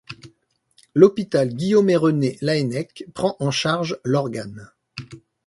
L'Hôpital Guillaume-et-René-Laennec prend en charge l'organe.